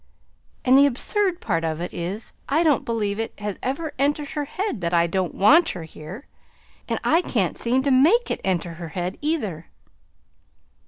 And the absurd part of it is, I don't believe it has ever entered her head that I don't WANT her here; and I can't seem to make it enter her head, either.